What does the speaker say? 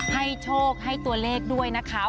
ให้โชคให้ตัวเลขด้วยนะคะ